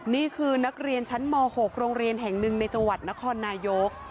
นี่คือนักเรียนชั้นม๖โรงเรียนแห่งหนึ่งในจังหวัดนครนายก